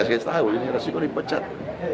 dan saya tahu ini resiko dipecat